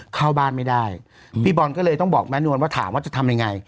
เข้าบ้านไม่ได้พี่บอลก็เลยต้องบอกแม่นวลว่าถามว่าจะทำยังไง